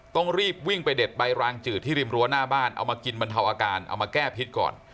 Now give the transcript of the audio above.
ต้องรีบวิ่งไปเด็ดใบรางจืดที่ริมรั้วหน้าบ้านเอามากินบรรเทาอาการเอามาแก้พิษก่อน